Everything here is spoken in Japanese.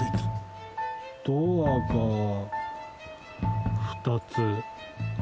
ドアが２つ。